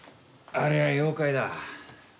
あれは妖怪だ。